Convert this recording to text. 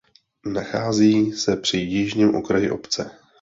Nachází se při jižním okraji obce.